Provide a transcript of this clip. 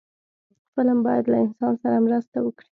فلم باید له انسان سره مرسته وکړي